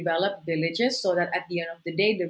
mengembangkan wilayah sehingga pada akhirnya